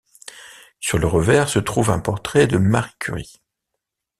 Sur le revers, se trouve un portrait de Marie Curie.